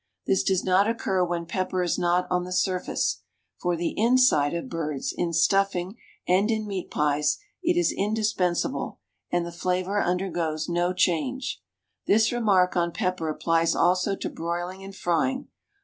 This does not occur when pepper is not on the surface; for the inside of birds, in stuffing, and in meat pies it is indispensable, and the flavor undergoes no change. This remark on pepper applies also to broiling and frying.